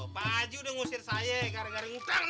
pak haji udah ngusir saya gara gara ngutang nih